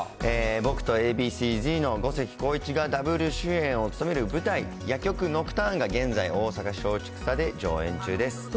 僕とＡＢＣーＺの五関晃一がダブル主演を務める舞台、夜曲ノクターンが、現在、大阪松竹座で上演中です。